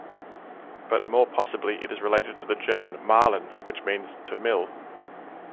But more possibly it is related to the German "mahlen" which means "to mill".